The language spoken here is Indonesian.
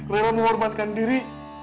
rera menghormatkan diri